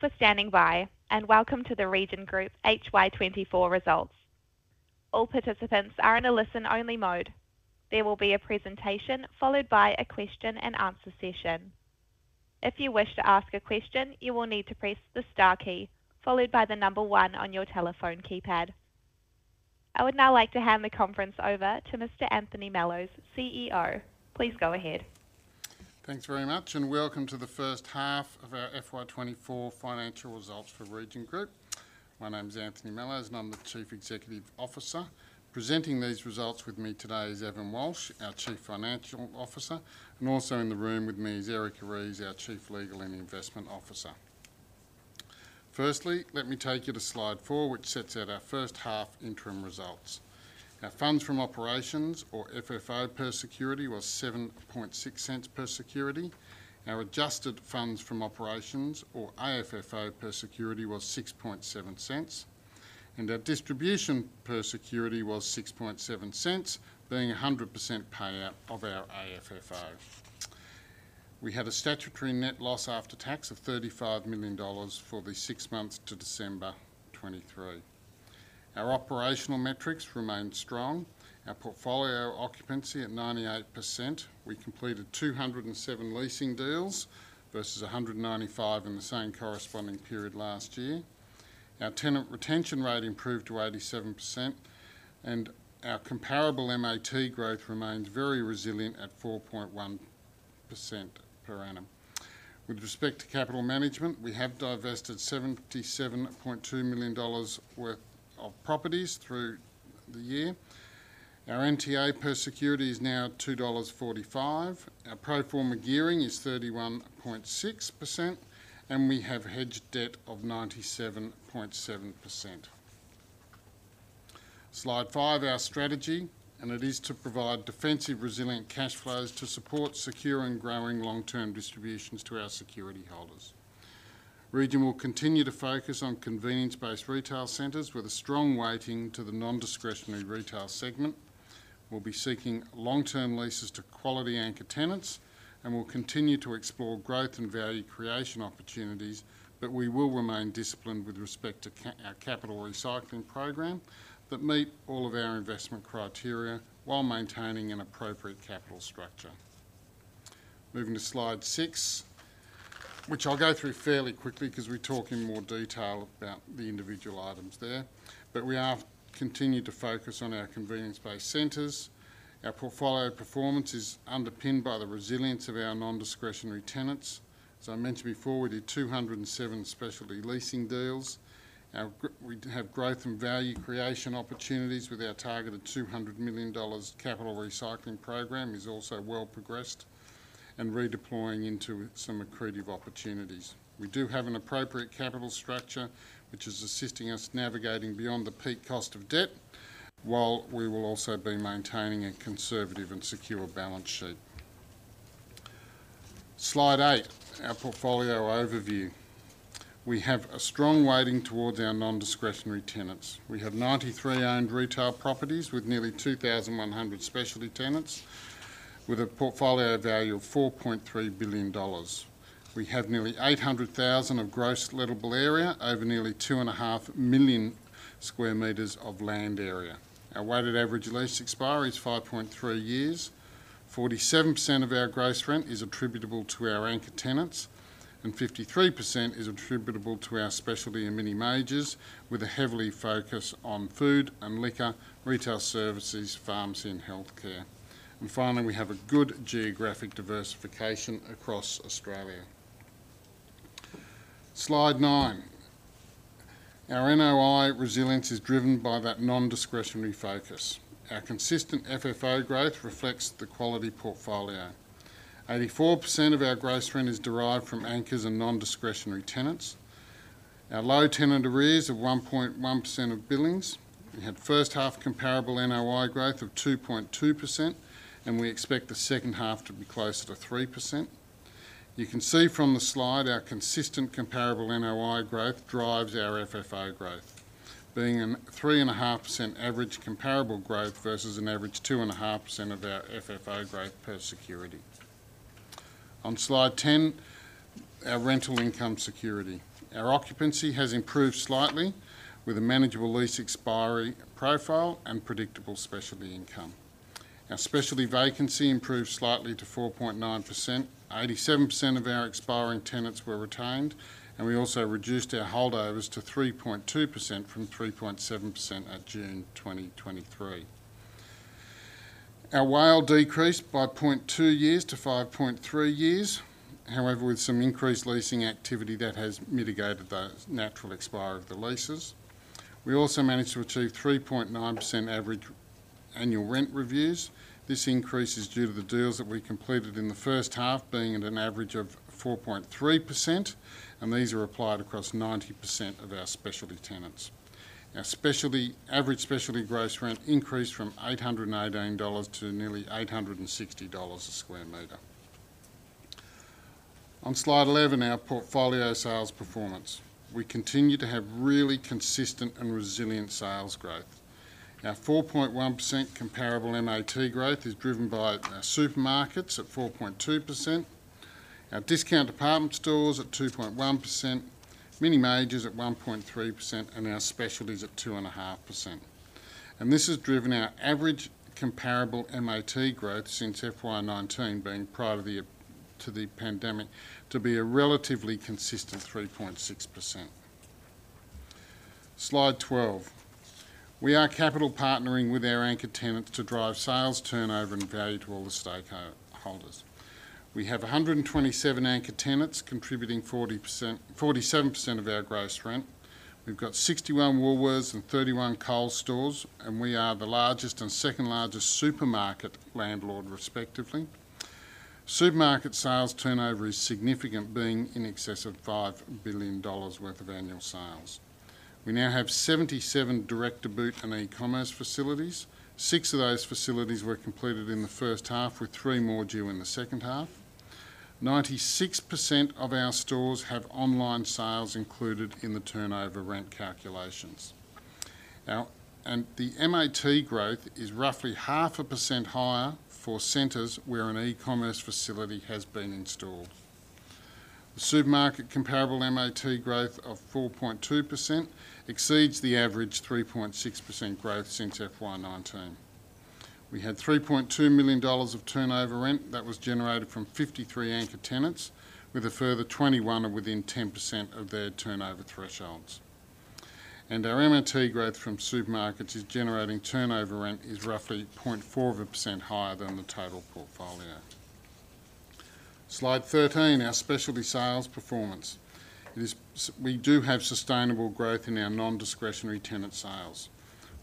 For standing by, and welcome to the Region Group HY 2024 results. All participants are in a listen-only mode. There will be a presentation, followed by a question and answer session. If you wish to ask a question, you will need to press the star key, followed by the number one on your telephone keypad. I would now like to hand the conference over to Mr. Anthony Mellowes, CEO. Please go ahead. Thanks very much, and welcome to the first half of our FY 2024 financial results for Region Group. My name is Anthony Mellowes, and I'm the Chief Executive Officer. Presenting these results with me today is Evan Walsh, our Chief Financial Officer, and also in the room with me is Erika Rees, our Chief Legal and Investment Officer. Firstly, let me take you to slide four, which sets out our first half interim results. Our funds from operations, or FFO per security, was 0.076 per security. Our adjusted funds from operations, or AFFO per security, was 0.067, and our distribution per security was 0.067, being 100% payout of our AFFO. We had a statutory net loss after tax of 35 million dollars for the six months to December 2023. Our operational metrics remained strong. Our portfolio occupancy at 98%. We completed 207 leasing deals versus 195 in the same corresponding period last year. Our tenant retention rate improved to 87%, and our comparable MAT growth remains very resilient at 4.1% per annum. With respect to capital management, we have divested 77.2 million dollars worth of properties through the year. Our NTA per security is now 2.45 dollars. Our pro forma gearing is 31.6%, and we have hedged debt of 97.7%. Slide five, our strategy, and it is to provide defensive, resilient cash flows to support secure and growing long-term distributions to our security holders. Region will continue to focus on convenience-based retail centers with a strong weighting to the non-discretionary retail segment. We'll be seeking long-term leases to quality anchor tenants, and we'll continue to explore growth and value creation opportunities. But we will remain disciplined with respect to our capital recycling program, that meet all of our investment criteria while maintaining an appropriate capital structure. Moving to slide six, which I'll go through fairly quickly, because we talk in more detail about the individual items there. But we are continuing to focus on our convenience-based centers. Our portfolio performance is underpinned by the resilience of our non-discretionary tenants. As I mentioned before, we did 207 specialty leasing deals. We have growth and value creation opportunities with our targeted 200 million dollars capital recycling program, is also well progressed and redeploying into some accretive opportunities. We do have an appropriate capital structure, which is assisting us navigating beyond the peak cost of debt, while we will also be maintaining a conservative and secure balance sheet. Slide eight, our portfolio overview. We have a strong weighting towards our non-discretionary tenants. We have 93 owned retail properties with nearly 2,100 specialty tenants, with a portfolio value of 4.3 billion dollars. We have nearly 800,000 of gross lettable area over nearly 2.5 million square meters of land area. Our weighted average lease expiry is 5.3 years. 47% of our gross rent is attributable to our anchor tenants, and 53% is attributable to our specialty and mini majors, with a heavy focus on food and liquor, retail services, pharmacy, and healthcare. Finally, we have a good geographic diversification across Australia. Slide nine. Our NOI resilience is driven by that non-discretionary focus. Our consistent FFO growth reflects the quality portfolio. 84% of our gross rent is derived from anchors and non-discretionary tenants. Our low tenant arrears of 1.1% of billings. We had first half comparable NOI growth of 2.2%, and we expect the second half to be closer to 3%. You can see from the slide, our consistent comparable NOI growth drives our FFO growth, being a 3.5% average comparable growth versus an average 2.5% of our FFO growth per security. On slide 10, our rental income security. Our occupancy has improved slightly, with a manageable lease expiry profile and predictable specialty income. Our specialty vacancy improved slightly to 4.9%. 87% of our expiring tenants were retained, and we also reduced our holdovers to 3.2% from 3.7% at June 2023. Our WALE decreased by 0.2 years to 5.3 years. However, with some increased leasing activity, that has mitigated the natural expiry of the leases. We also managed to achieve 3.9% average annual rent reviews. This increase is due to the deals that we completed in the first half, being at an average of 4.3%, and these are applied across 90% of our specialty tenants. Our specialty... Average specialty gross rent increased from 818 dollars to nearly 860 dollars a square meter. On slide 11, our portfolio sales performance. We continue to have really consistent and resilient sales growth. Our 4.1% comparable MAT growth is driven by our supermarkets at 4.2%. Our discount department stores at 2.1%, mini majors at 1.3%, and our specialties at 2.5%. And this has driven our average comparable MAT growth since FY 2019, being prior to the pandemic, to be a relatively consistent 3.6%. Slide 12. We are capital partnering with our anchor tenants to drive sales, turnover, and value to all the stakeholders. We have 127 anchor tenants contributing 47% of our gross rent. We've got 61 Woolworths and 31 Coles stores, and we are the largest and second largest supermarket landlord respectively. Supermarket sales turnover is significant, being in excess of 5 billion dollars worth of annual sales. We now have 77 Direct to Boot and e-commerce facilities. Six of those facilities were completed in the first half, with three more due in the second half. 96% of our stores have online sales included in the turnover rent calculations. Now, and the MAT growth is roughly 0.5% higher for centers where an e-commerce facility has been installed. The supermarket comparable MAT growth of 4.2% exceeds the average 3.6% growth since FY 2019. We had 3.2 million dollars of turnover rent that was generated from 53 anchor tenants, with a further 21 are within 10% of their turnover thresholds. And our MAT growth from supermarkets is generating turnover rent is roughly 0.4% higher than the total portfolio. Slide 13, our specialty sales performance. It is we do have sustainable growth in our non-discretionary tenant sales.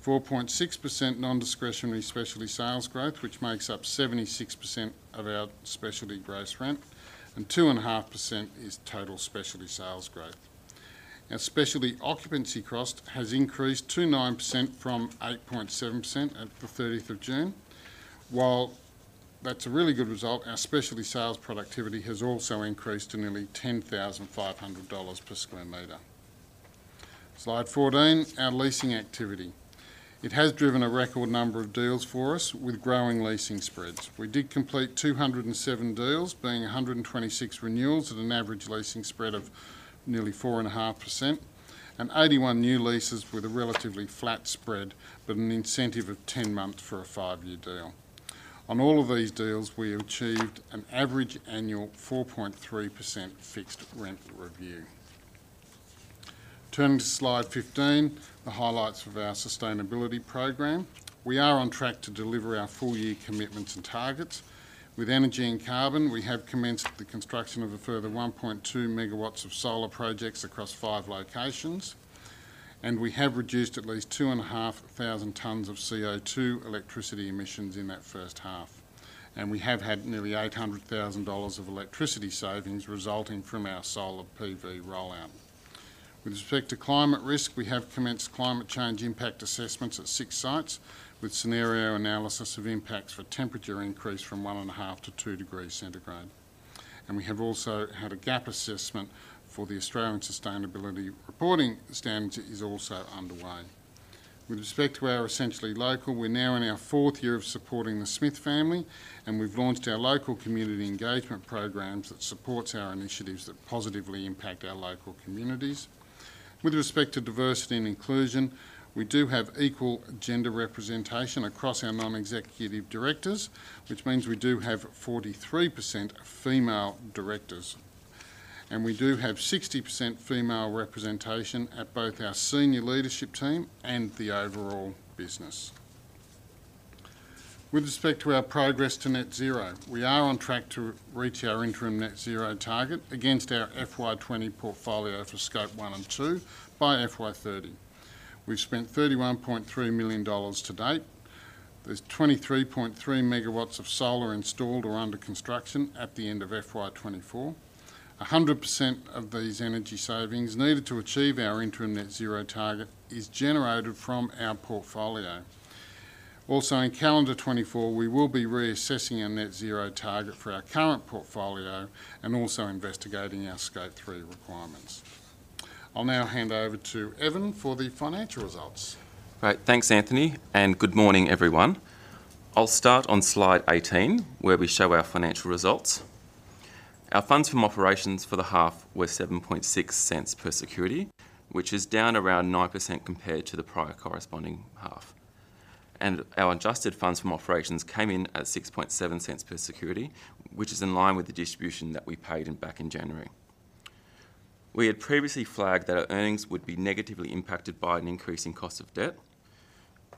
4.6% non-discretionary specialty sales growth, which makes up 76% of our specialty gross rent, and 2.5% is total specialty sales growth. Our specialty occupancy cost has increased to 9% from 8.7% at the 30th of June. While that's a really good result, our specialty sales productivity has also increased to nearly 10,500 dollars per square meter. Slide 14, our leasing activity. It has driven a record number of deals for us with growing leasing spreads. We did complete 207 deals, being 126 renewals at an average leasing spread of nearly 4.5%, and 81 new leases with a relatively flat spread, but an incentive of 10 months for a 5-year deal. On all of these deals, we achieved an average annual 4.3% fixed rent review. Turning to slide 15, the highlights of our sustainability program. We are on track to deliver our full-year commitments and targets. With energy and carbon, we have commenced the construction of a further 1.2 MW of solar projects across five locations, and we have reduced at least 2,500 tons of CO2 electricity emissions in that first half. And we have had nearly 800,000 dollars of electricity savings resulting from our solar PV rollout. With respect to climate risk, we have commenced climate change impact assessments at six sites, with scenario analysis of impacts for temperature increase from 1.5-2 degrees centigrade. And we have also had a gap assessment for the Australian Sustainability Reporting Standards, is also underway. With respect to our Essentially Local, we're now in our fourth year of supporting The Smith Family, and we've launched our local community engagement programs that supports our initiatives that positively impact our local communities. With respect to diversity and inclusion, we do have equal gender representation across our non-executive directors, which means we do have 43% female directors, and we do have 60% female representation at both our senior leadership team and the overall business. With respect to our progress to Net Zero, we are on track to reach our interim Net Zero target against our FY 2020 portfolio for Scope 1 and 2 by FY 2030. We've spent 31.3 million dollars to date. There's 23.3 MW of solar installed or under construction at the end of FY 2024. 100% of these energy savings needed to achieve our interim Net Zero target is generated from our portfolio. Also, in calendar 2024, we will be reassessing our Net Zero target for our current portfolio and also investigating our Scope 3 requirements. I'll now hand over to Evan for the financial results. Great. Thanks, Anthony, and good morning, everyone. I'll start on slide 18, where we show our financial results. Our funds from operations for the half were 0.076 per security, which is down around 9% compared to the prior corresponding half. Our adjusted funds from operations came in at 0.067 per security, which is in line with the distribution that we paid back in January. We had previously flagged that our earnings would be negatively impacted by an increase in cost of debt.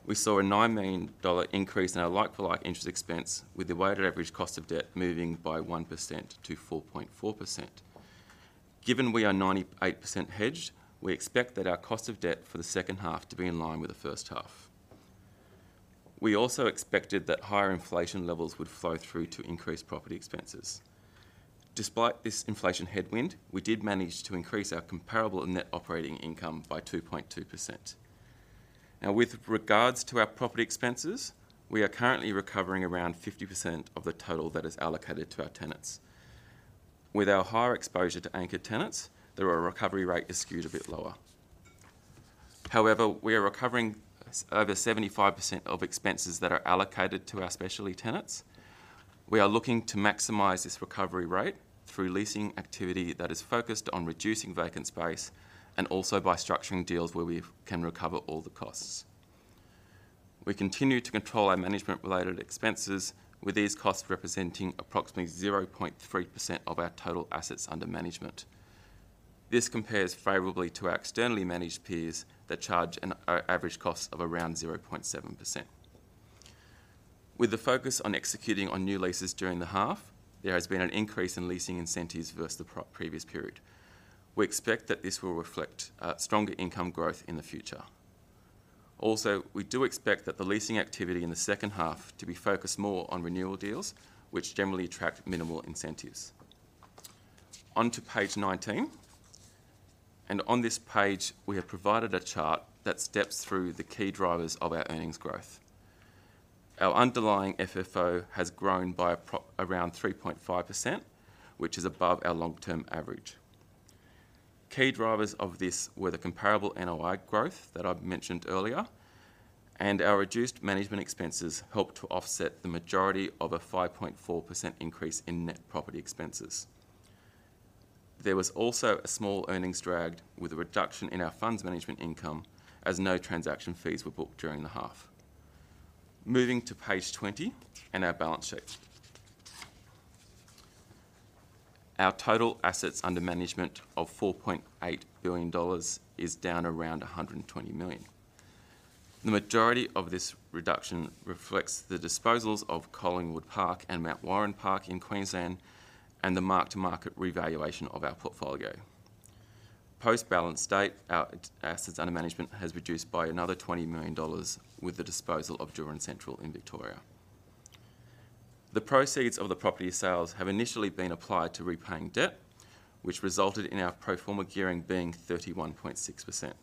We saw an 9 million dollar increase in our like-for-like interest expense, with the weighted average cost of debt moving by 1% to 4.4%. Given we are 98% hedged, we expect that our cost of debt for the second half to be in line with the first half. We also expected that higher inflation levels would flow through to increased property expenses. Despite this inflation headwind, we did manage to increase our comparable net operating income by 2.2%. Now, with regards to our property expenses, we are currently recovering around 50% of the total that is allocated to our tenants. With our higher exposure to anchor tenants, their recovery rate is skewed a bit lower. However, we are recovering over 75% of expenses that are allocated to our specialty tenants. We are looking to maximize this recovery rate through leasing activity that is focused on reducing vacant space, and also by structuring deals where we can recover all the costs. We continue to control our management-related expenses, with these costs representing approximately 0.3% of our total assets under management. This compares favorably to our externally managed peers that charge an average cost of around 0.7%. With the focus on executing on new leases during the half, there has been an increase in leasing incentives versus the previous period. We expect that this will reflect stronger income growth in the future. Also, we do expect that the leasing activity in the second half to be focused more on renewal deals, which generally attract minimal incentives. On to page nineteen, and on this page, we have provided a chart that steps through the key drivers of our earnings growth. Our underlying FFO has grown by around 3.5%, which is above our long-term average. Key drivers of this were the comparable NOI growth that I've mentioned earlier, and our reduced management expenses helped to offset the majority of a 5.4% increase in net property expenses. There was also a small earnings drag with a reduction in our funds management income, as no transaction fees were booked during the half. Moving to page 20 and our balance sheet. Our total assets under management of 4.8 billion dollars is down around 120 million. The majority of this reduction reflects the disposals of Collingwood Park and Mount Warren Park in Queensland, and the mark-to-market revaluation of our portfolio. Post-balance date, our assets under management has reduced by another 20 million dollars with the disposal of Drouin Central in Victoria. The proceeds of the property sales have initially been applied to repaying debt, which resulted in our pro forma gearing being 31.6%.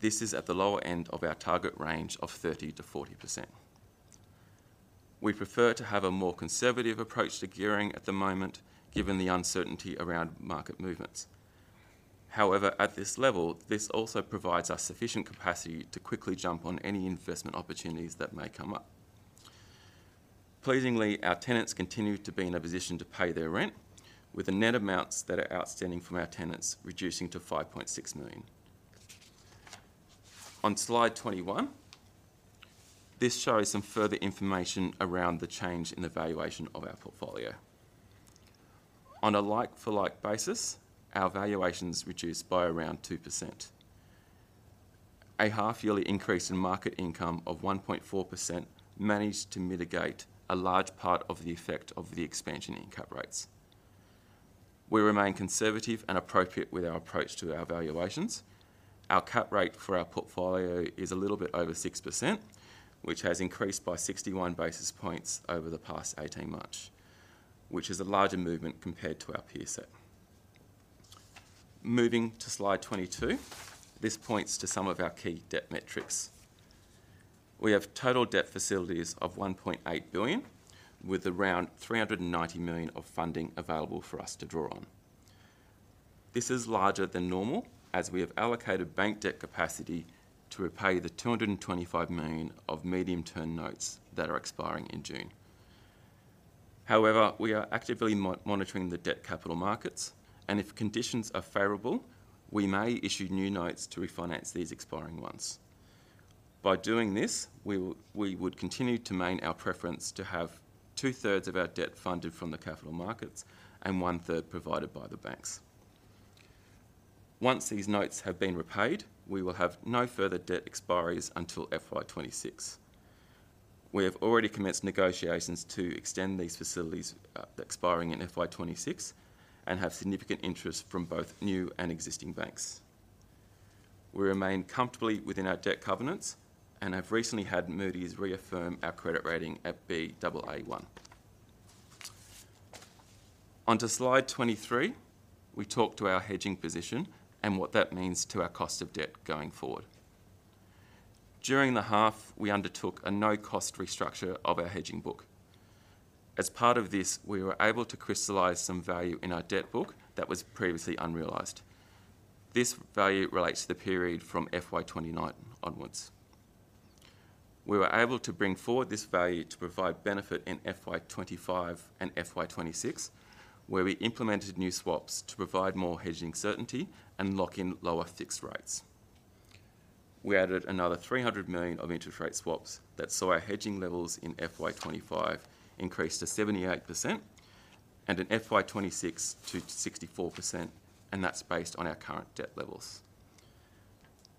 This is at the lower end of our target range of 30%-40%. We prefer to have a more conservative approach to gearing at the moment, given the uncertainty around market movements. However, at this level, this also provides us sufficient capacity to quickly jump on any investment opportunities that may come up. Pleasingly, our tenants continue to be in a position to pay their rent, with the net amounts that are outstanding from our tenants reducing to 5.6 million. On slide 21, this shows some further information around the change in the valuation of our portfolio. On a like-for-like basis, our valuations reduced by around 2%. A half-yearly increase in market income of 1.4% managed to mitigate a large part of the effect of the expansion in cap rates. We remain conservative and appropriate with our approach to our valuations. Our cap rate for our portfolio is a little bit over 6%, which has increased by 61 basis points over the past 18 months, which is a larger movement compared to our peer set. Moving to slide 22, this points to some of our key debt metrics. We have total debt facilities of 1.8 billion, with around 390 million of funding available for us to draw on. This is larger than normal, as we have allocated bank debt capacity to repay the 225 million of medium-term notes that are expiring in June. However, we are actively monitoring the debt capital markets, and if conditions are favorable, we may issue new notes to refinance these expiring ones. By doing this, we would continue to maintain our preference to have two-thirds of our debt funded from the capital markets and one-third provided by the banks. Once these notes have been repaid, we will have no further debt expiries until FY 2026. We have already commenced negotiations to extend these facilities expiring in FY 2026, and have significant interest from both new and existing banks. We remain comfortably within our debt covenants and have recently had Moody's reaffirm our credit rating at Baa1. On to slide 23, we talk to our hedging position and what that means to our cost of debt going forward. During the half, we undertook a no-cost restructure of our hedging book. As part of this, we were able to crystallize some value in our debt book that was previously unrealized. This value relates to the period from FY 2029 onwards. We were able to bring forward this value to provide benefit in FY 2025 and FY 2026, where we implemented new swaps to provide more hedging certainty and lock in lower fixed rates. We added another 300 million of interest rate swaps that saw our hedging levels in FY 2025 increase to 78% and in FY 2026 to 64%, and that's based on our current debt levels.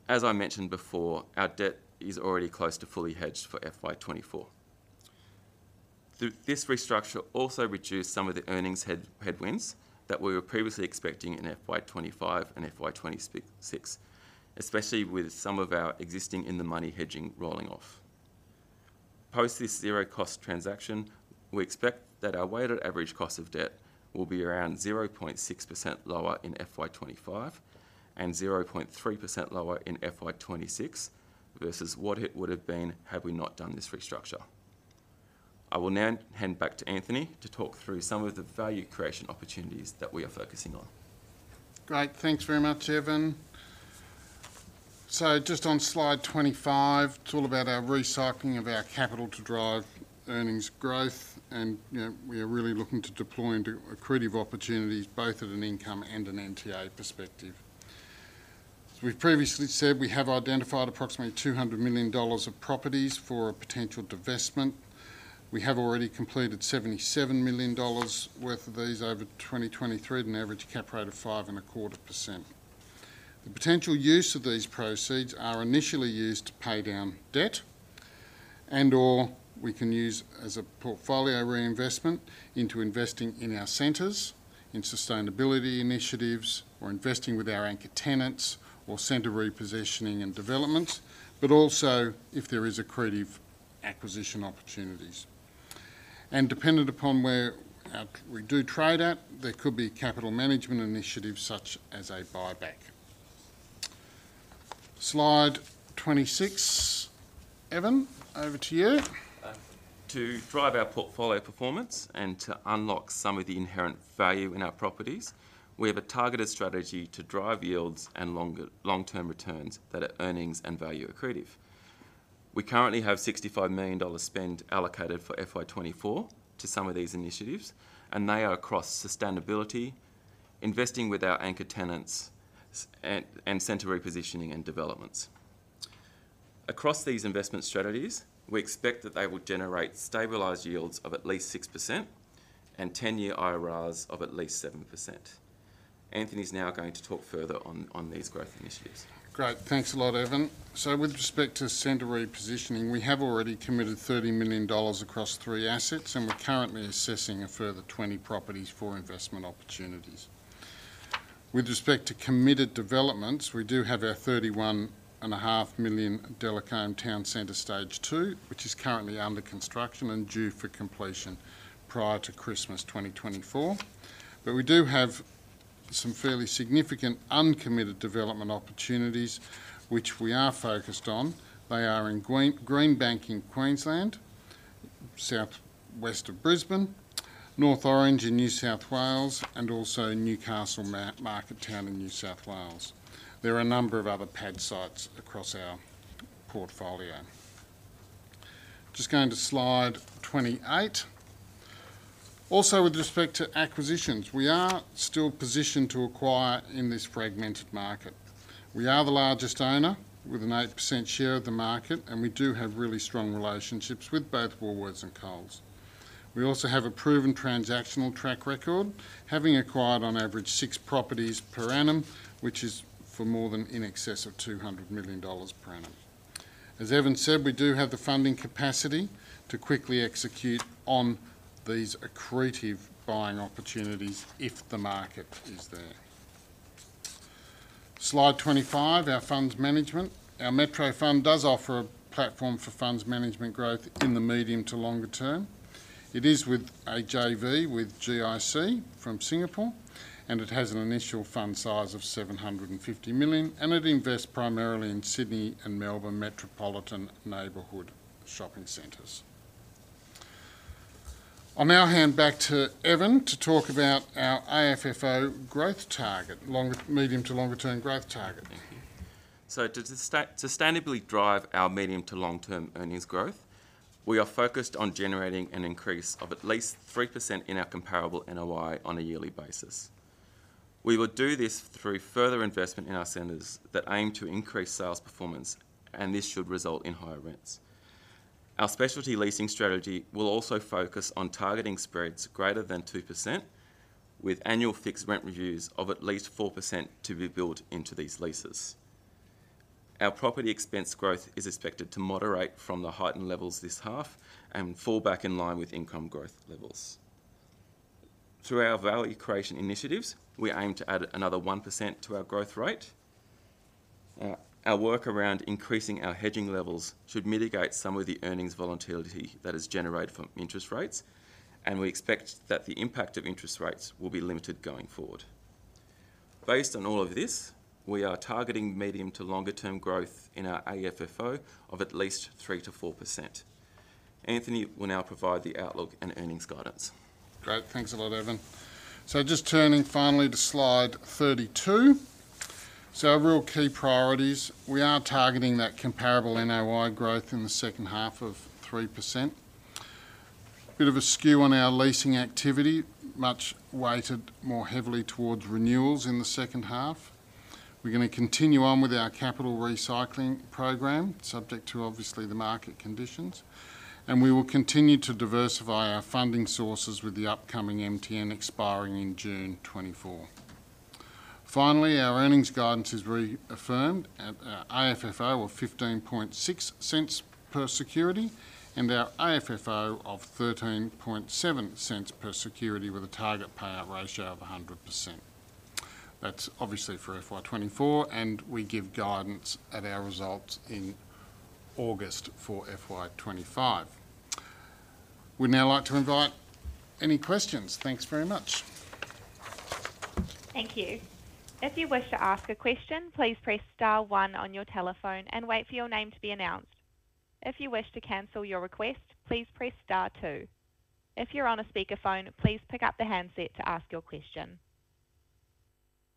As I mentioned before, our debt is already close to fully hedged for FY 2024. This restructure also reduced some of the earnings headwinds that we were previously expecting in FY 2025 and FY 2026, especially with some of our existing in-the-money hedging rolling off. Post this zero-cost transaction, we expect that our weighted average cost of debt will be around 0.6% lower in FY 2025 and 0.3% lower in FY 2026 versus what it would have been had we not done this restructure. I will now hand back to Anthony to talk through some of the value creation opportunities that we are focusing on. Great, thanks very much, Evan. So just on slide 25, it's all about our recycling of our capital to drive earnings growth, and, you know, we are really looking to deploy into accretive opportunities, both at an income and an NTA perspective. As we've previously said, we have identified approximately 200 million dollars of properties for a potential divestment. We have already completed 77 million dollars worth of these over 2023, at an average cap rate of 5.25%. The potential use of these proceeds are initially used to pay down debt, and/or we can use as a portfolio reinvestment into investing in our centers, in sustainability initiatives, or investing with our anchor tenants, or center repositioning and development, but also if there is accretive acquisition opportunities. Dependent upon where we do trade at, there could be capital management initiatives, such as a buyback. Slide 26. Evan, over to you. To drive our portfolio performance and to unlock some of the inherent value in our properties, we have a targeted strategy to drive yields and long-term returns that are earnings and value accretive. We currently have 65 million dollars spend allocated for FY 2024 to some of these initiatives, and they are across sustainability, investing with our anchor tenants, and center repositioning and developments. Across these investment strategies, we expect that they will generate stabilized yields of at least 6% and 10-year IRRs of at least 7%. Anthony is now going to talk further on these growth initiatives. Great. Thanks a lot, Evan. So with respect to center repositioning, we have already committed 30 million dollars across three assets, and we're currently assessing a further 20 properties for investment opportunities. With respect to committed developments, we do have our 31.5 million Delacombe Town Centre Stage Two, which is currently under construction and due for completion prior to Christmas 2024. But we do have some fairly significant uncommitted development opportunities, which we are focused on. They are in Greenbank in Queensland, southwest of Brisbane, North Orange in New South Wales, and also Newcastle Marketown in New South Wales. There are a number of other pad sites across our portfolio. Just going to slide 28. Also, with respect to acquisitions, we are still positioned to acquire in this fragmented market. We are the largest owner, with an 8% share of the market, and we do have really strong relationships with both Woolworths and Coles. We also have a proven transactional track record, having acquired on average 6 properties per annum, which is for more than in excess of 200 million dollars per annum. As Evan said, we do have the funding capacity to quickly execute on these accretive buying opportunities if the market is there. Slide 25, our funds management. Our Metro Fund does offer a platform for funds management growth in the medium to longer term. It is with a JV with GIC from Singapore, and it has an initial fund size of 750 million, and it invests primarily in Sydney and Melbourne metropolitan neighborhood shopping centers. I'll now hand back to Evan to talk about our AFFO growth target, medium to longer-term growth target. Thank you. So to sustainably drive our medium to long-term earnings growth, we are focused on generating an increase of at least 3% in our comparable NOI on a yearly basis. We will do this through further investment in our centers that aim to increase sales performance, and this should result in higher rents. Our specialty leasing strategy will also focus on targeting spreads greater than 2%, with annual fixed rent reviews of at least 4% to be built into these leases. Our property expense growth is expected to moderate from the heightened levels this half and fall back in line with income growth levels. Through our value creation initiatives, we aim to add another 1% to our growth rate. Our work around increasing our hedging levels should mitigate some of the earnings volatility that is generated from interest rates, and we expect that the impact of interest rates will be limited going forward. Based on all of this, we are targeting medium to longer-term growth in our AFFO of at least 3%-4%. Anthony will now provide the outlook and earnings guidance. Great. Thanks a lot, Evan. So just turning finally to slide 32. So our real key priorities, we are targeting that comparable NOI growth in the second half of 3%. Bit of a skew on our leasing activity, much weighted more heavily towards renewals in the second half. We're going to continue on with our capital recycling program, subject to obviously the market conditions, and we will continue to diversify our funding sources with the upcoming MTN expiring in June 2024. Finally, our earnings guidance is reaffirmed at an AFFO of 0.156 per security, and our AFFO of 0.137 per security with a target payout ratio of 100%. That's obviously for FY 2024, and we give guidance at our results in August for FY 2025. We'd now like to invite any questions. Thanks very much. Thank you. If you wish to ask a question, please press star one on your telephone and wait for your name to be announced. If you wish to cancel your request, please press star two. If you're on a speakerphone, please pick up the handset to ask your question.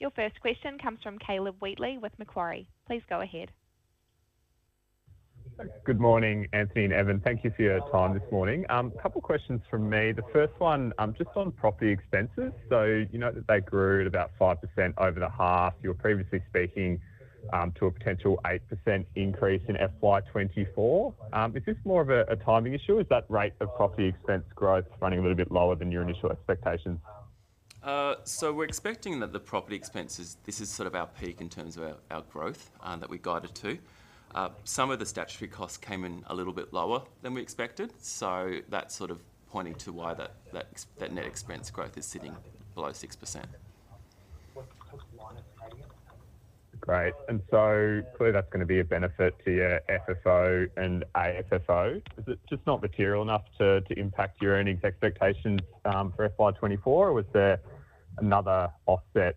Your first question comes from Caleb Wheatley with Macquarie. Please go ahead. Good morning, Anthony and Evan. Thank you for your time this morning. Couple questions from me. The first one, just on property expenses. So you know that they grew at about 5% over the half. You were previously speaking to a potential 8% increase in FY 2024. Is this more of a timing issue? Is that rate of property expense growth running a little bit lower than your initial expectations? So we're expecting that the property expenses, this is sort of our peak in terms of our growth, that we guided to. Some of the statutory costs came in a little bit lower than we expected, so that's sort of pointing to why that net expense growth is sitting below 6%. Great. And so clearly, that's going to be a benefit to your FFO and IFFO. Is it just not material enough to impact your earnings expectations for FY 2024, or was there another offset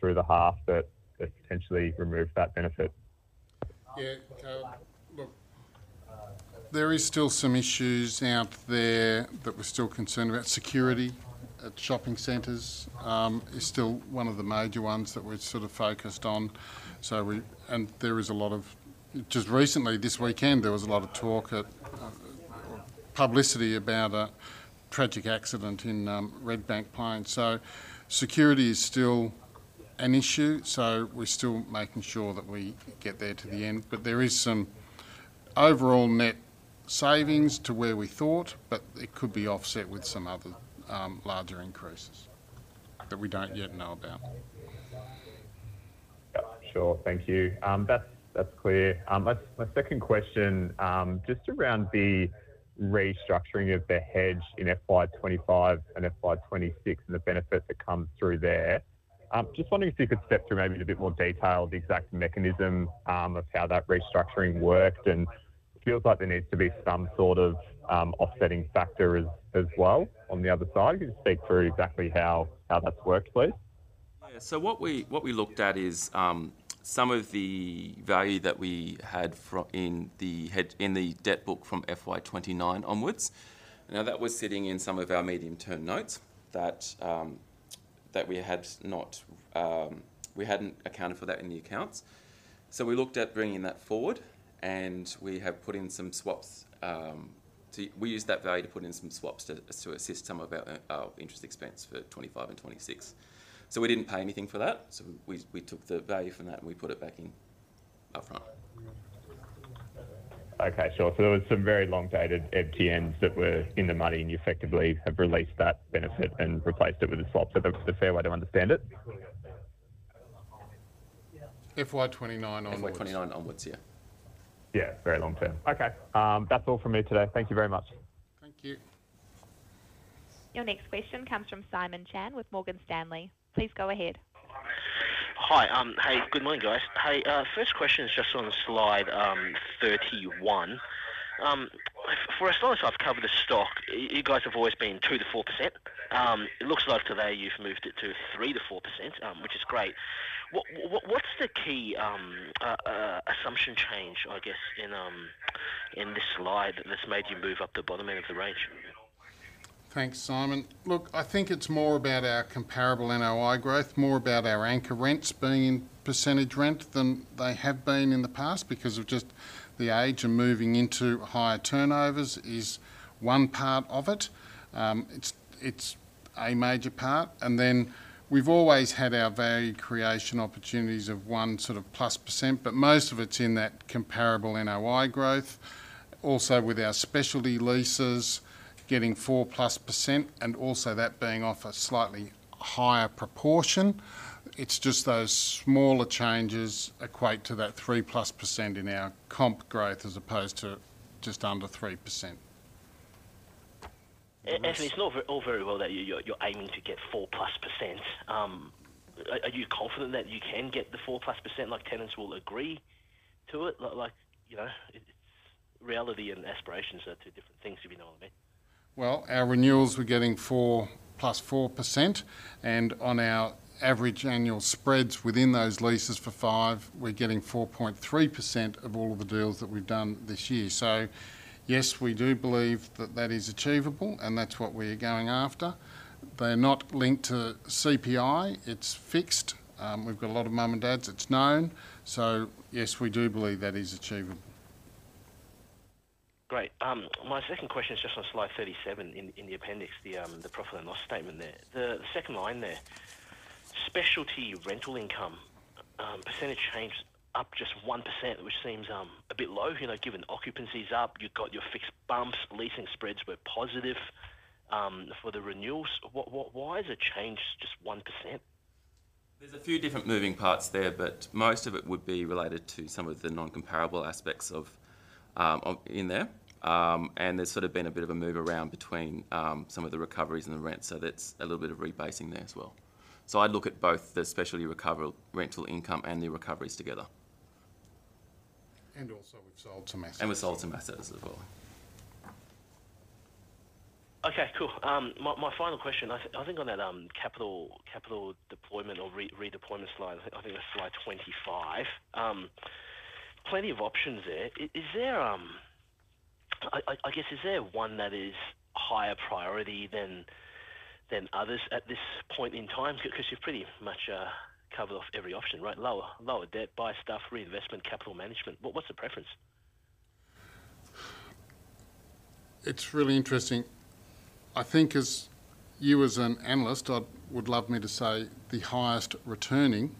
through the half that potentially removed that benefit? Yeah, look, there is still some issues out there that we're still concerned about. Security at shopping centers is still one of the major ones that we're sort of focused on. And there is a lot of... Just recently, this weekend, there was a lot of talk at, or publicity about a tragic accident in Redbank Plains. So security is still an issue, so we're still making sure that we get there to the end. But there is some overall net savings to where we thought, but it could be offset with some other larger increases that we don't yet know about. Yep, sure. Thank you. That's clear. My second question, just around the restructuring of the hedge in FY 2025 and FY 2026, and the benefit that comes through there. Just wondering if you could step through maybe in a bit more detail the exact mechanism of how that restructuring worked. It feels like there needs to be some sort of offsetting factor as well on the other side. Can you just speak through exactly how that's worked, please? Yeah. So what we, what we looked at is some of the value that we had from in the hedge, in the debt book from FY 2029 onwards. Now, that was sitting in some of our medium-term notes that that we had not, we hadn't accounted for that in the accounts. So we looked at bringing that forward, and we have put in some swaps to... We used that value to put in some swaps to assist some of our, our interest expense for 2025 and 2026. So we didn't pay anything for that. So we, we took the value from that, and we put it back in upfront. Okay, sure. So there was some very long-dated MTNs that were in the money, and you effectively have released that benefit and replaced it with a swap. So that's the fair way to understand it? FY 2029 onwards. FY 2029 onwards, yeah. Yeah, very long term. Okay, that's all from me today. Thank you very much. Thank you. Your next question comes from Simon Chan with Morgan Stanley. Please go ahead. Hi. Hey, good morning, guys. Hey, first question is just on slide 31. For as long as I've covered the stock, you guys have always been 2%-4%. It looks like today you've moved it to 3%-4%, which is great. What, what's the key assumption change, I guess, in this slide that's made you move up the bottom end of the range? Thanks, Simon. Look, I think it's more about our comparable NOI growth, more about our anchor rents being in percentage rent than they have been in the past because of just the age and moving into higher turnovers is one part of it. It's a major part, and then we've always had our value creation opportunities of 1 sort of +%, but most of it's in that comparable NOI growth. Also, with our specialty leases getting 4%+, and also that being off a slightly higher proportion, it's just those smaller changes equate to that 3%+ in our comp growth, as opposed to just under 3%. And it's not all very well that you're aiming to get 4%+. Are you confident that you can get the 4%+, like tenants will agree to it? Like, you know, reality and aspirations are two different things, if you know what I mean. Well, our renewals, we're getting 4% +4%, and on our average annual spreads within those leases for 5, we're getting 4.3% of all of the deals that we've done this year. So yes, we do believe that that is achievable, and that's what we're going after. They're not linked to CPI. It's fixed. We've got a lot of mum and dads, it's known. So yes, we do believe that is achievable. Great. My second question is just on slide 37 in the appendix, the profit and loss statement there. The second line there, specialty rental income, percentage change up just 1%, which seems a bit low, you know, given occupancy is up, you've got your fixed bumps, leasing spreads were positive for the renewals. What, why is the change just 1%? There's a few different moving parts there, but most of it would be related to some of the non-comparable aspects of, of, in there. And there's sort of been a bit of a move around between, some of the recoveries and the rents, so that's a little bit of rebasing there as well. So I'd look at both the specialty recovery, rental income and the recoveries together. And also, we've sold some assets. We've sold some assets as well. Okay, cool. My final question, I think on that capital deployment or redeployment slide, I think that's slide 25. Plenty of options there. Is there one that is higher priority than others at this point in time? Because you've pretty much covered off every option, right? Lower debt, buy stuff, reinvestment, capital management. What's the preference? It's really interesting. I think as you as an analyst, I would love me to say the highest returning,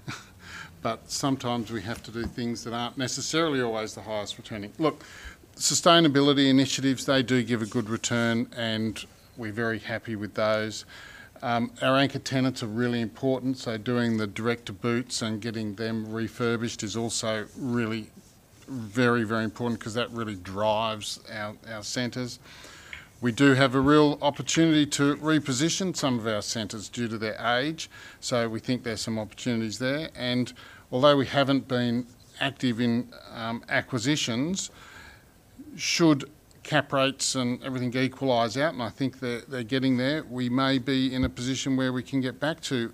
but sometimes we have to do things that aren't necessarily always the highest returning. Look, sustainability initiatives, they do give a good return, and we're very happy with those. Our anchor tenants are really important, so doing the Direct to Boot and getting them refurbished is also really very, very important because that really drives our, our centers. We do have a real opportunity to reposition some of our centers due to their age, so we think there's some opportunities there. Although we haven't been active in, acquisitions, should cap rates and everything equalize out, and I think they're getting there, we may be in a position where we can get back to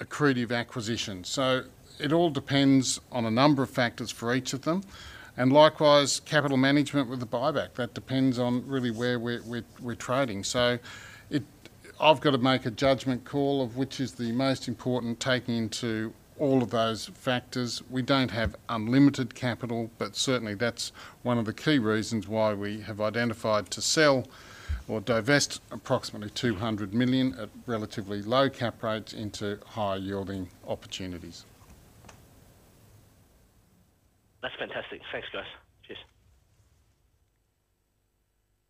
accretive acquisitions. So it all depends on a number of factors for each of them, and likewise, capital management with the buyback, that depends on really where we're trading. So it. I've got to make a judgment call of which is the most important, taking into all of those factors. We don't have unlimited capital, but certainly that's one of the key reasons why we have identified to sell or divest approximately 200 million at relatively low cap rates into higher yielding opportunities. That's fantastic. Thanks, guys. Cheers.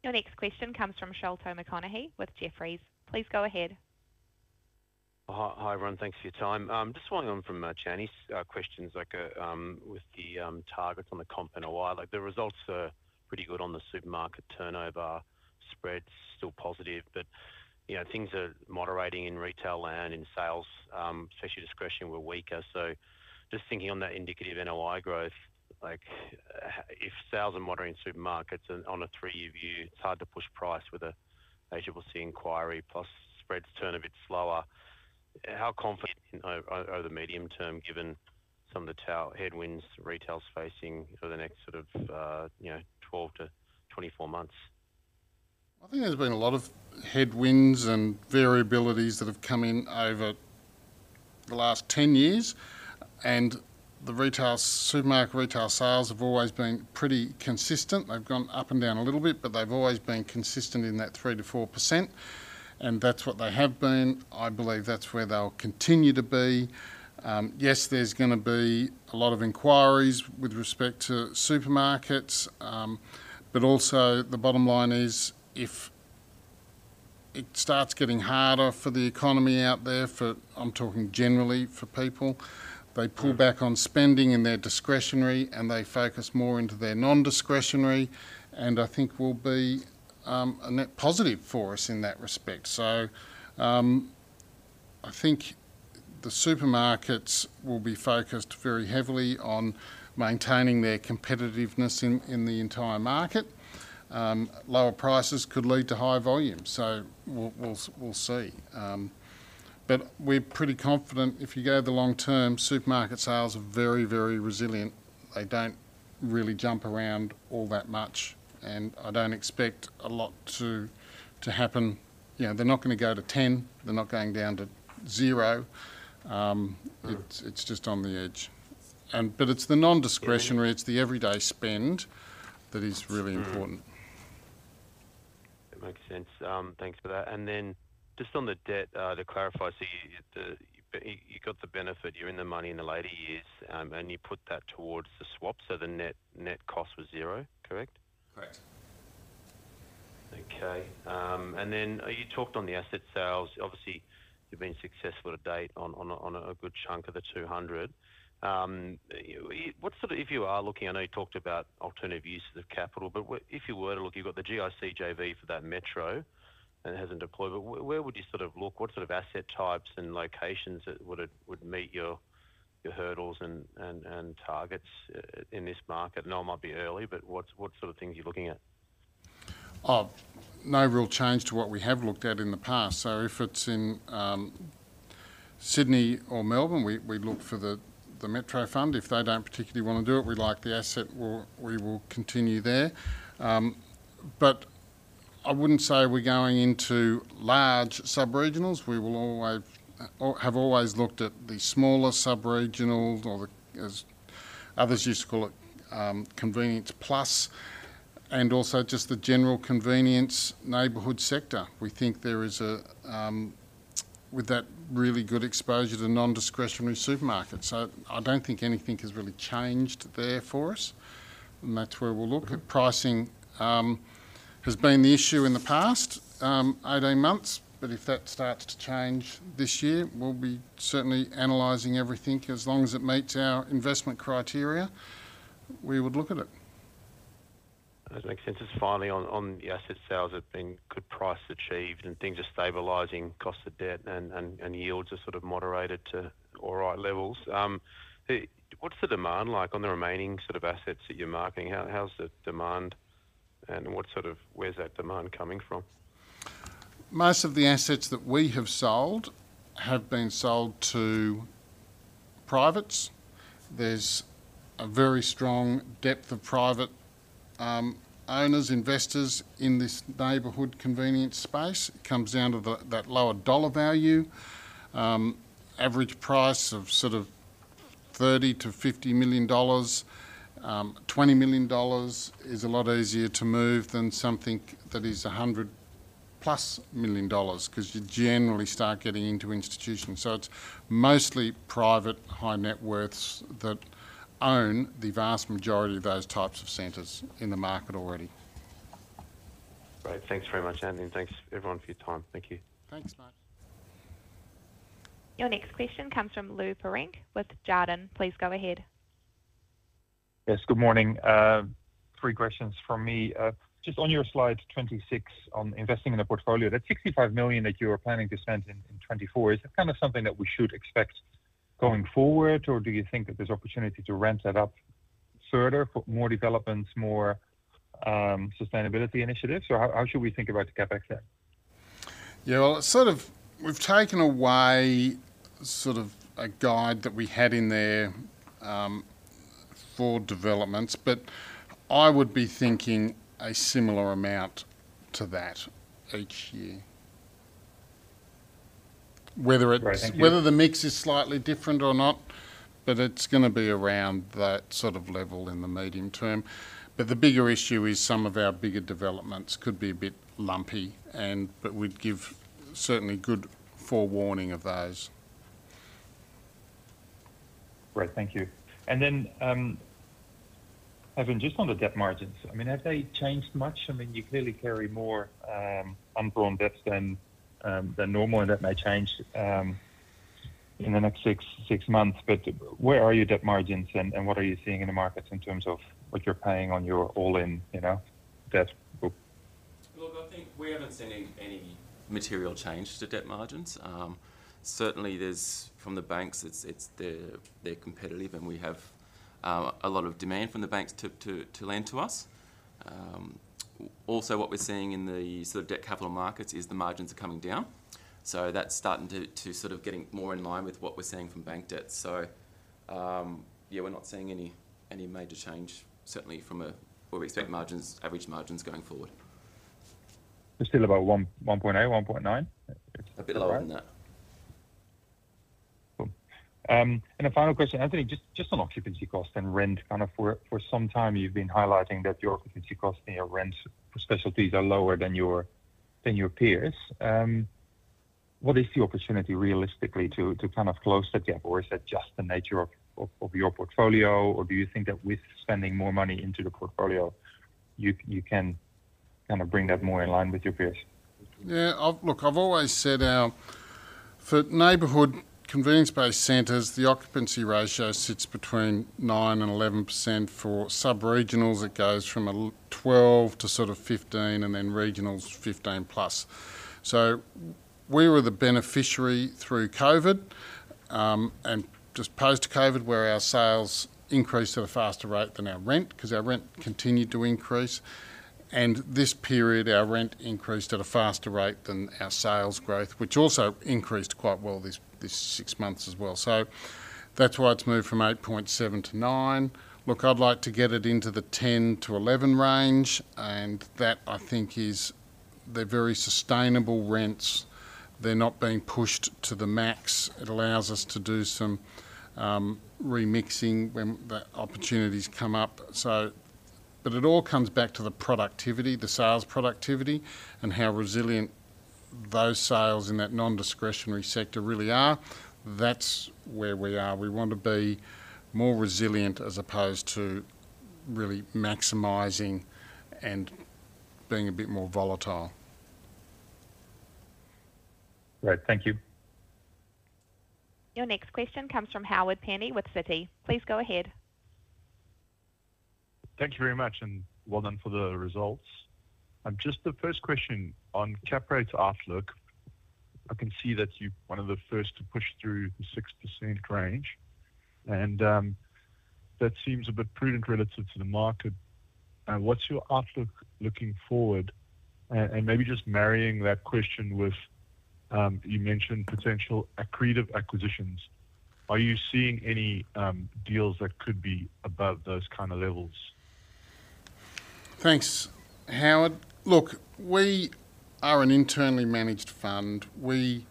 Your next question comes from Sholto Maconochie with Jefferies. Please go ahead. Hi, hi, everyone. Thanks for your time. Just following on from Chan's questions, like, with the targets on the comp NOI. Like, the results are pretty good on the supermarket turnover spread, still positive, but, you know, things are moderating in retail and in sales, especially discretionary, we're weaker. So just thinking on that indicative NOI growth, like, if sales are moderating supermarkets on a three-year view, it's hard to push price with an ACCC inquiry, plus spreads turn a bit slower. How confident are the medium term, given some of the tail headwinds retail is facing for the next sort of, you know, 12-24 months? I think there's been a lot of headwinds and variabilities that have come in over the last 10 years, and the retail, supermarket retail sales have always been pretty consistent. They've gone up and down a little bit, but they've always been consistent in that 3%-4%, and that's what they have been. I believe that's where they'll continue to be. Yes, there's going to be a lot of inquiries with respect to supermarkets, but also the bottom line is, if it starts getting harder for the economy out there, I'm talking generally for people, they pull back on spending in their discretionary, and they focus more into their non-discretionary, and I think we'll be a net positive for us in that respect. So, I think the supermarkets will be focused very heavily on maintaining their competitiveness in the entire market. Lower prices could lead to higher volumes, so we'll see. But we're pretty confident if you go the long term, supermarket sales are very, very resilient. They don't really jump around all that much, and I don't expect a lot to happen. You know, they're not going to go to ten, they're not going down to zero. It's just on the edge. But it's the non-discretionary, it's the everyday spend that is really important. That makes sense. Thanks for that. Then just on the debt, to clarify, so you got the benefit, you're in the money in the later years, and you put that towards the swap, so the net cost was zero, correct? Correct. Okay, and then you talked on the asset sales. Obviously, you've been successful to date on a good chunk of the 200. What sort of... If you are looking, I know you talked about alternative uses of capital, but what-- if you were to look, you've got the GIC JV for that metro and it hasn't deployed. But where would you sort of look? What sort of asset types and locations that would meet your hurdles and targets in this market? I know it might be early, but what sort of things are you looking at? Oh, no real change to what we have looked at in the past. So if it's in Sydney or Melbourne, we look for the Metro Fund. If they don't particularly want to do it, we like the asset, we'll continue there. But I wouldn't say we're going into large subregionals. We will always have always looked at the smaller subregional or, as others used to call it, convenience plus, and also just the general convenience neighborhood sector. We think there is with that really good exposure to non-discretionary supermarkets. So I don't think anything has really changed there for us, and that's where we'll look. Pricing has been the issue in the past 18 months, but if that starts to change this year, we'll be certainly analyzing everything. As long as it meets our investment criteria, we would look at it. That makes sense. Just finally, on the asset sales, there've been good price achieved and things are stabilizing, costs of debt and yields are sort of moderated to all right levels. What's the demand like on the remaining sort of assets that you're marketing? How's the demand, and what sort of- where's that demand coming from? Most of the assets that we have sold have been sold to privates. There's a very strong depth of private owners, investors in this neighborhood convenience space. It comes down to that lower dollar value. Average price of sort of 30 million-50 million dollars. 20 million dollars is a lot easier to move than something that is 100+ million dollars, 'cause you generally start getting into institutions. So it's mostly private high net worths that own the vast majority of those types of centers in the market already. Great. Thanks very much, Anthony, and thanks everyone for your time. Thank you. Thanks, mate. Your next question comes from Lou Pirenc with Jarden. Please go ahead. Yes, good morning. Three questions from me. Just on your slide 26 on investing in the portfolio, that 65 million that you are planning to spend in 2024, is it kind of something that we should expect going forward, or do you think that there's opportunity to ramp that up further for more developments, more sustainability initiatives? Or how should we think about the CapEx there? Yeah, well, it's sort of. We've taken away sort of a guide that we had in there for developments, but I would be thinking a similar amount to that each year. Great, thank you. Whether the mix is slightly different or not, but it's gonna be around that sort of level in the medium term. But the bigger issue is some of our bigger developments could be a bit lumpy and... but we'd give certainly good forewarning of those. Great, thank you. Then, Evan, just on the debt margins, I mean, have they changed much? I mean, you clearly carry more undrawn debts than normal, and that may change in the next six months. But where are your debt margins, and what are you seeing in the markets in terms of what you're paying on your all-in, you know, debt book? Look, I think we haven't seen any, any material change to debt margins. Certainly, there's, from the banks, it's, it's, they're, they're competitive, and we have, a lot of demand from the banks to, to, to lend to us. Also, what we're seeing in the sort of debt capital markets is the margins are coming down, so that's starting to, to sort of getting more in line with what we're seeing from bank debt. So, yeah, we're not seeing any, any major change, certainly from a, where we expect margins- Great Average margins going forward. They're still about 1, 1.8, 1.9? A bit lower than that. Cool. And a final question. Anthony, just on occupancy cost and rent, kind of for some time, you've been highlighting that your occupancy cost and your rent for specialties are lower than your peers. What is the opportunity realistically to kind of close that gap, or is that just the nature of your portfolio? Or do you think that with spending more money into the portfolio, you can kind of bring that more in line with your peers? Yeah, I've... Look, I've always said our-- For neighborhood convenience-based centers, the occupancy ratio sits between 9% and 11%. For sub-regionals, it goes from a twelve to sort of 15, and then regionals, 15 plus. So we were the beneficiary through COVID, and just post-COVID, where our sales increased at a faster rate than our rent, 'cause our rent continued to increase. And this period, our rent increased at a faster rate than our sales growth, which also increased quite well this six months as well. So that's why it's moved from 8.7 to 9. Look, I'd like to get it into the 10 to 11 range, and that, I think, is... They're very sustainable rents. They're not being pushed to the max. It allows us to do some remixing when the opportunities come up. But it all comes back to the productivity, the sales productivity, and how resilient those sales in that non-discretionary sector really are. That's where we are. We want to be more resilient as opposed to really maximizing and being a bit more volatile. Great, thank you. Your next question comes from Howard Penny with Citi. Please go ahead. Thank you very much, and well done for the results. Just the first question on cap rates outlook, I can see that you're one of the first to push through the 6% range, and that seems a bit prudent relative to the market. What's your outlook looking forward? And maybe just marrying that question with, you mentioned potential accretive acquisitions. Are you seeing any deals that could be above those kind of levels? Thanks, Howard. Look, we are an internally managed fund. We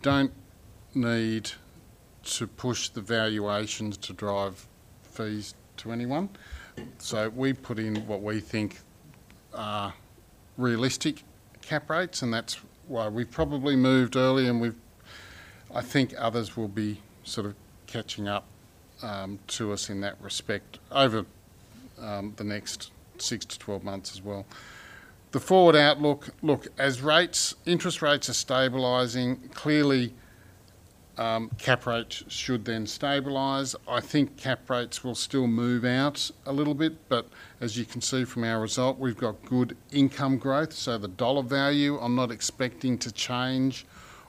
don't need to push the valuations to drive fees to anyone, so we put in what we think are realistic cap rates, and that's why we probably moved early, and we've I think others will be sort of catching up to us in that respect over the next 6-12 months as well. The forward outlook, look, as rates, interest rates are stabilizing, clearly, cap rates should then stabilize. I think cap rates will still move out a little bit, but as you can see from our result, we've got good income growth, so the dollar value, I'm not expecting to change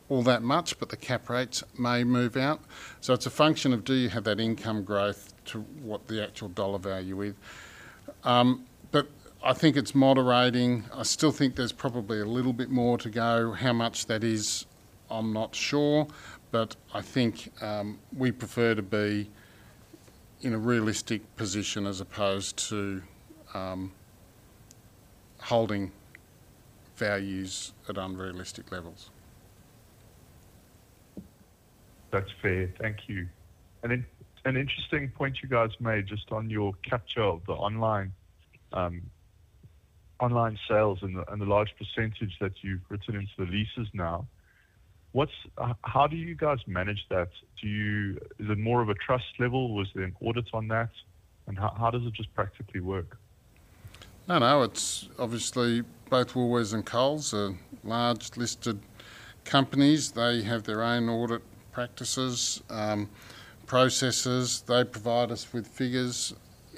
all that much, but the cap rates may move out. So it's a function of do you have that income growth to what the actual dollar value is? But I think it's moderating. I still think there's probably a little bit more to go. How much that is, I'm not sure. But I think, we prefer to be in a realistic position as opposed to, holding values at unrealistic levels. That's fair. Thank you. And in an interesting point you guys made just on your capture of the online, online sales and the, and the large percentage that you've written into the leases now. What's how do you guys manage that? Do you... Is it more of a trust level? Was there an audit on that? And how, how does it just practically work? I don't know. It's obviously both Woolworths and Coles are large listed companies. They have their own audit practices, processes. They provide us with figures.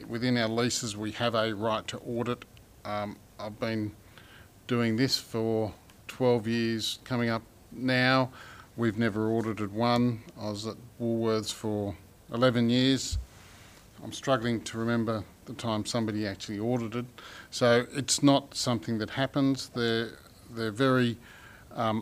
Within our leases, we have a right to audit. I've been doing this for 12 years, coming up now. We've never audited one. I was at Woolworths for 11 years. I'm struggling to remember the time somebody actually audited. So it's not something that happens. They're very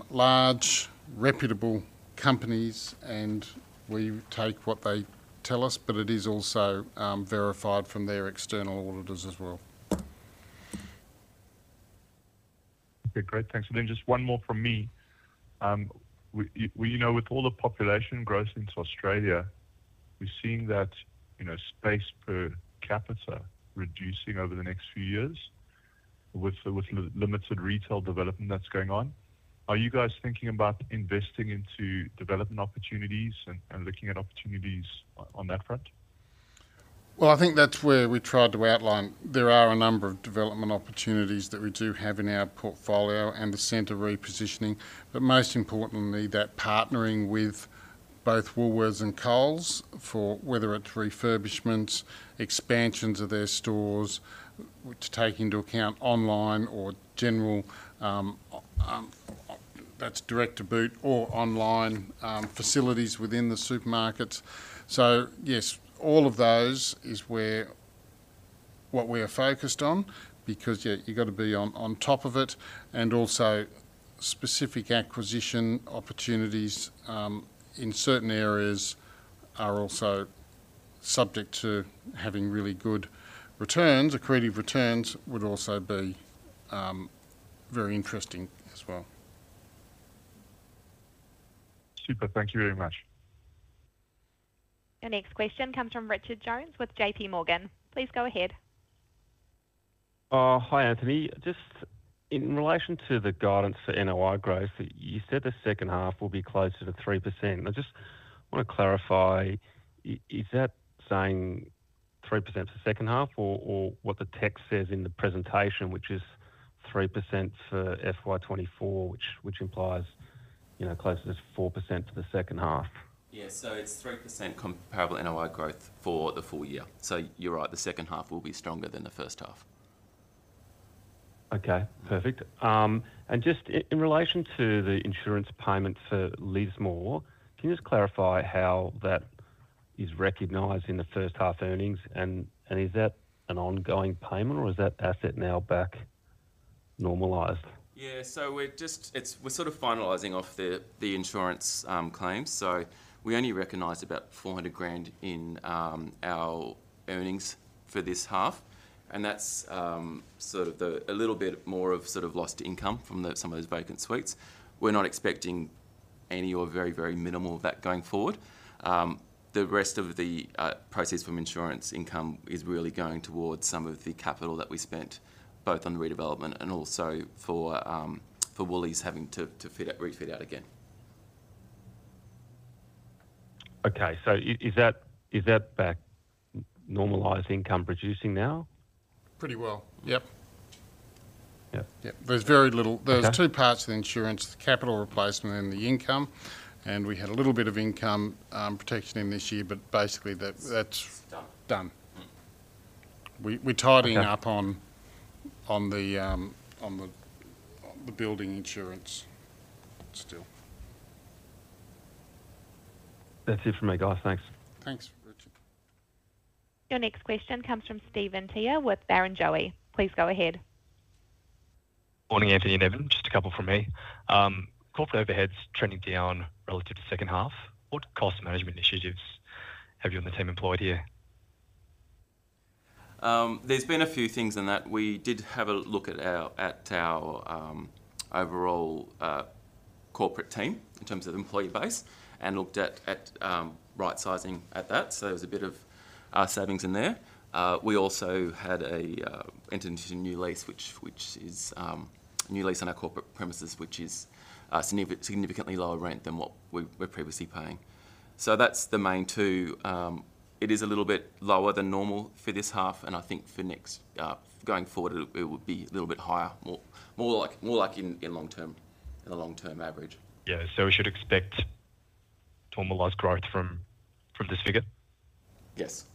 large, reputable companies, and we take what they tell us, but it is also verified from their external auditors as well. Okay, great. Thanks. And then just one more from me. We know with all the population growth into Australia, we're seeing that, you know, space per capita reducing over the next few years with the, with the limited retail development that's going on. Are you guys thinking about investing into development opportunities and, and looking at opportunities on that front? Well, I think that's where we tried to outline. There are a number of development opportunities that we do have in our portfolio and the center repositioning, but most importantly, that partnering with both Woolworths and Coles for whether it's refurbishments, expansions of their stores, to take into account online or general, that's Direct to Boot or online facilities within the supermarkets. So yes, all of those is where... what we are focused on because, yeah, you've got to be on, on top of it, and also specific acquisition opportunities in certain areas are also subject to having really good returns. Accretive returns would also be very interesting as well. Super. Thank you very much. Your next question comes from Richard Jones with JPMorgan. Please go ahead. Hi, Anthony. Just in relation to the guidance for NOI growth, you said the second half will be closer to 3%. I just want to clarify, is that saying 3% for second half or what the text says in the presentation, which is 3% for FY 2024, which implies, you know, closer to 4% for the second half? Yeah, so it's 3% comparable NOI growth for the full year. So you're right, the second half will be stronger than the first half. Okay, perfect. And just in relation to the insurance payment for Lismore, can you just clarify how that is recognized in the first half earnings? And is that an ongoing payment or is that asset now back normalized? Yeah. So we're just finalizing off the insurance claims. So we only recognized about 400,000 in our earnings for this half, and that's sort of a little bit more of sort of lost income from some of those vacant suites. We're not expecting any or very, very minimal of that going forward. The rest of the proceeds from insurance income is really going towards some of the capital that we spent both on the redevelopment and also for Woolies having to fit out, refit out again. Okay, so is that, is that back normalized income producing now? Pretty well. Yep. Yeah. Yeah. There's very little- Okay. There's two parts to the insurance: the capital replacement and the income, and we had a little bit of income protection in this year, but basically that, that's- Done Done. Mm. We're tidying- Okay Up on the building insurance still. That's it for me, guys. Thanks. Thanks, Richard. Your next question comes from Stephen Tai with Barrenjoey. Please go ahead. Morning, Anthony and Evan. Just a couple from me. Corporate overheads trending down relative to second half, what cost management initiatives have you and the team employed here? There's been a few things in that. We did have a look at our overall corporate team in terms of employee base and looked at right-sizing at that. So there was a bit of savings in there. We also entered into a new lease, which is a new lease on our corporate premises, which is a significantly lower rent than what we were previously paying. So that's the main two. It is a little bit lower than normal for this half, and I think for next going forward, it will be a little bit higher, more like in the long term, in a long-term average. Yeah. So we should expect normalised growth from this figure? Yes.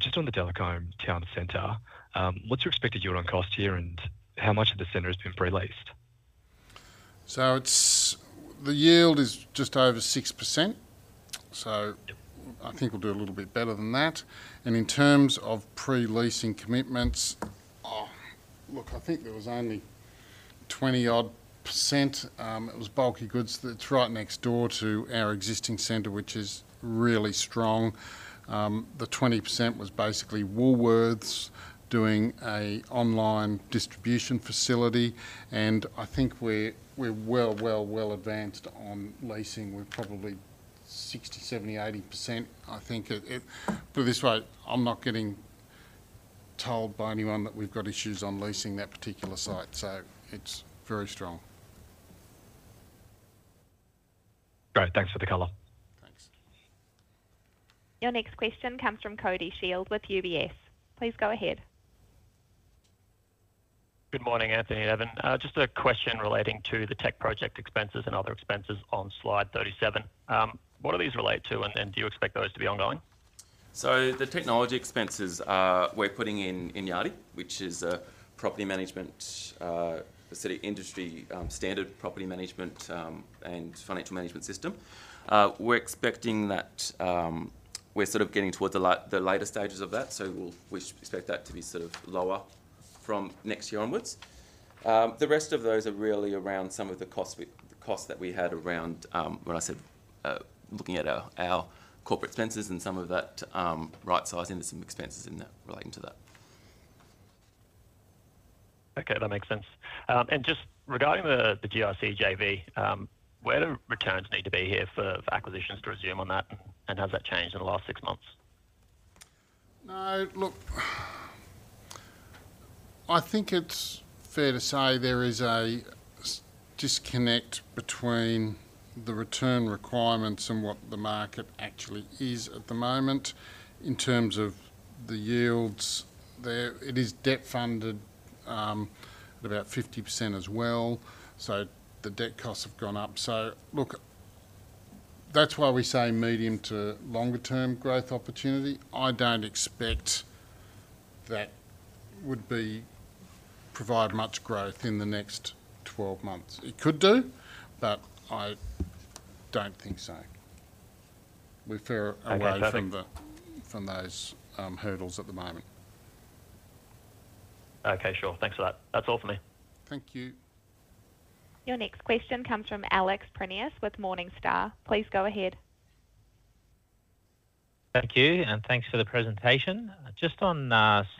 Just on the Delacombe Town Center, what's your expected yield on cost here, and how much of the center has been pre-leased? So it's, the yield is just over 6%, so I think we'll do a little bit better than that. And in terms of pre-leasing commitments, oh, look, I think there was only [20-odd%]. It was bulky goods. It's right next door to our existing center, which is really strong. The 20% was basically Woolworths doing an online distribution facility, and I think we're, we're well, well, well advanced on leasing. We're probably 60%-80%. I think it, it-- but this way, I'm not getting told by anyone that we've got issues on leasing that particular site, so it's very strong. Great, thanks for the color. Thanks. Your next question comes from Cody Shield with UBS. Please go ahead. Good morning, Anthony and Evan. Just a question relating to the tech project expenses and other expenses on slide 37. What do these relate to, and do you expect those to be ongoing? So the technology expenses, we're putting in, in Yardi, which is a property management facility industry standard property management and financial management system. We're expecting that, we're sort of getting towards the later stages of that, so we expect that to be sort of lower from next year onwards. The rest of those are really around some of the costs that we had around, when I said, looking at our corporate expenses and some of that, right-sizing and some expenses in that relating to that. Okay, that makes sense. Just regarding the GIC JV, where do returns need to be here for acquisitions to resume on that, and has that changed in the last six months? No, look, I think it's fair to say there is a disconnect between the return requirements and what the market actually is at the moment. In terms of the yields, it is debt-funded at about 50% as well, so the debt costs have gone up. So look, that's why we say medium to longer term growth opportunity. I don't expect that would provide much growth in the next 12 months. It could do, but I don't think so. We're far away- Okay, perfect. From those hurdles at the moment. Okay, sure. Thanks for that. That's all for me. Thank you. Your next question comes from Alex Prineas with Morningstar. Please go ahead. Thank you, and thanks for the presentation. Just on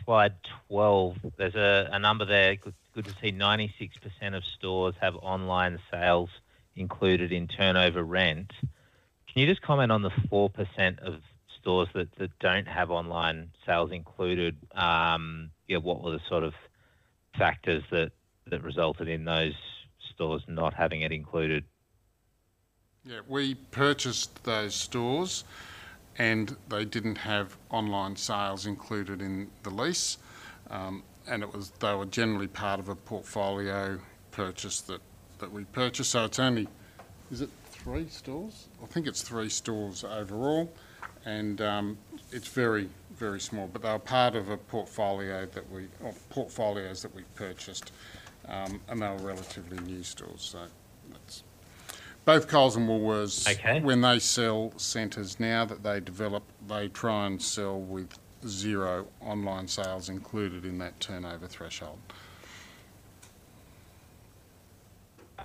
slide 12, there's a number there, good to see 96% of stores have online sales included in turnover rent. Can you just comment on the 4% of stores that don't have online sales included? What were the sort of factors that resulted in those stores not having it included? Yeah, we purchased those stores, and they didn't have online sales included in the lease. They were generally part of a portfolio purchase that we purchased. So it's only, is it three stores? I think it's three stores overall, and it's very, very small. But they were part of a portfolio that we, or portfolios that we purchased, and they were relatively new stores. So that's... Both Coles and Woolworths- Okay. When they sell centers now that they develop, they try and sell with zero online sales included in that turnover threshold.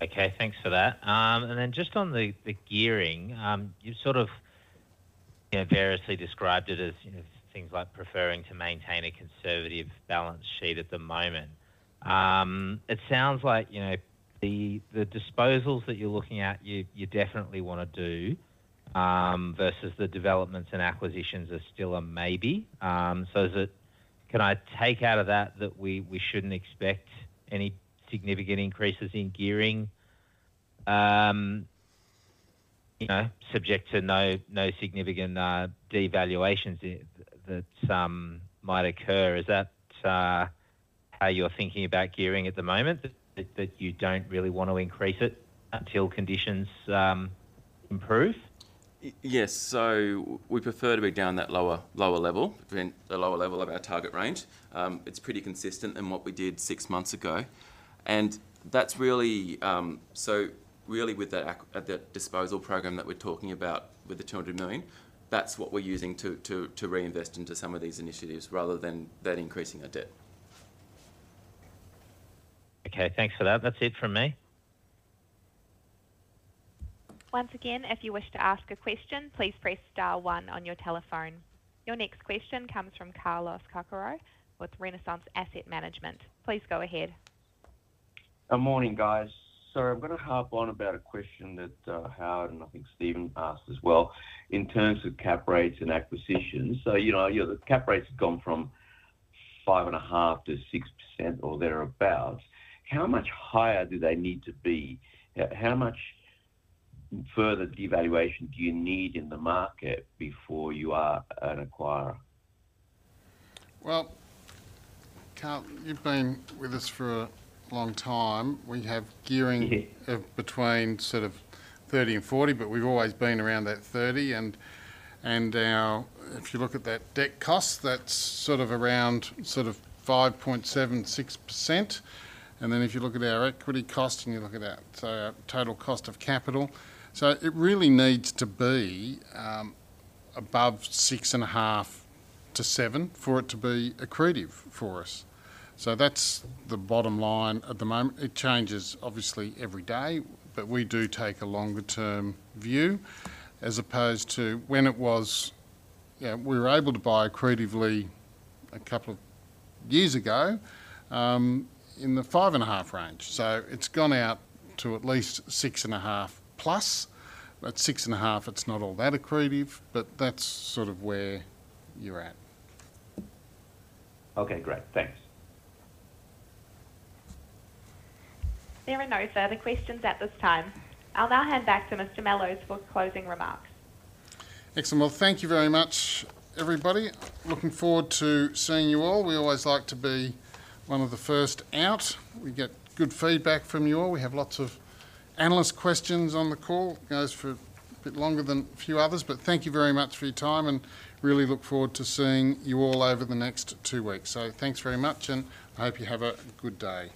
Okay, thanks for that. Then just on the gearing, you've sort of, you know, variously described it as things like preferring to maintain a conservative balance sheet at the moment. It sounds like, you know, the disposals that you're looking at, you definitely want to do versus the developments and acquisitions are still a maybe. So, is it? Can I take out of that that we shouldn't expect any significant increases in gearing, you know, subject to no significant devaluations that might occur? Is that how you're thinking about gearing at the moment, that you don't really want to increase it until conditions improve? Yes, so we prefer to be down that lower, lower level, within the lower level of our target range. It's pretty consistent in what we did six months ago, and that's really. So really, with the disposal program that we're talking about with the 200 million, that's what we're using to reinvest into some of these initiatives, rather than increasing our debt. Okay, thanks for that. That's it from me. Once again, if you wish to ask a question, please press star one on your telephone. Your next question comes from Carlos Cocara with Renaissance Asset Management. Please go ahead. Good morning, guys. So I'm going to harp on about a question that, Howard, and I think Stephen asked as well, in terms of cap rates and acquisitions. So, you know, you know, the cap rates have gone from 5.5%-6%, or thereabout. How much higher do they need to be? How much further devaluation do you need in the market before you are an acquirer? Well, Carl, you've been with us for a long time. Mm-hmm. We have gearing of between sort of 30%-40%, but we've always been around that 30%, and now, if you look at that debt cost, that's sort of around 5.76%. And then if you look at our equity cost, and you look at that, so our total cost of capital. So it really needs to be above 6.5%-7% for it to be accretive for us. So that's the bottom line at the moment. It changes, obviously, every day, but we do take a longer-term view, as opposed to when it was... Yeah, we were able to buy accretively a couple of years ago, in the 5.5% range. So it's gone out to at least 6.5%+. At 6.5, it's not all that accretive, but that's sort of where you're at. Okay, great. Thanks. There are no further questions at this time. I'll now hand back to Mr. Mellowes for closing remarks. Excellent. Well, thank you very much, everybody. Looking forward to seeing you all. We always like to be one of the first out. We get good feedback from you all. We have lots of analyst questions on the call, goes for a bit longer than a few others, but thank you very much for your time and really look forward to seeing you all over the next two weeks. So thanks very much, and I hope you have a good day.